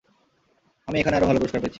আমি এখানে আরও ভালো পুরষ্কার পেয়েছি।